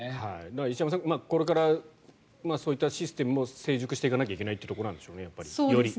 石山さん、これからそういったシステムも成熟していかなくちゃいけないというところなんでしょうね。